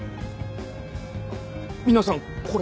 皆さんこれ。